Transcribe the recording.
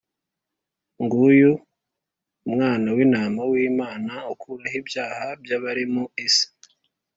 “Nguyu Umwana w’intama w’Imana ukuraho ibyaha by’abari mu isi